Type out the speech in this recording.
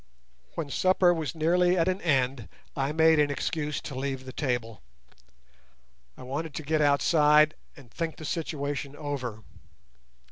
When supper was nearly at an end I made an excuse to leave the table. I wanted to get outside and think the situation over.